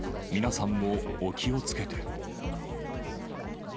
皆さんもお気をつけて。